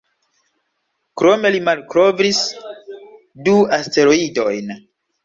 Krome li malkovris du asteroidojn.